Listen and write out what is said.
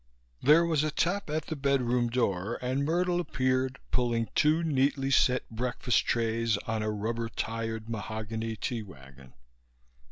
There was a tap at the bedroom door and Myrtle appeared, pulling two neatly set breakfast trays on a rubber tired mahogany tea wagon.